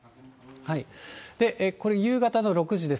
これ、夕方の６時です。